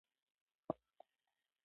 دوی په هند کې اسلام وويشلو.